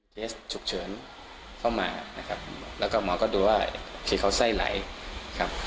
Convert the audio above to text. เคสฉุกเฉินเข้ามานะครับแล้วก็หมอก็ดูว่าคือเขาไส้ไหลครับ